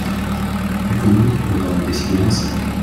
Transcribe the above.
Les communes peuvent en décider ainsi.